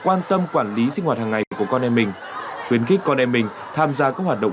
quan tâm quản lý sinh hoạt hàng ngày của con em mình khuyến khích con em mình tham gia các hoạt động